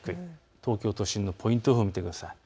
東京都心のポイント予報をご覧ください。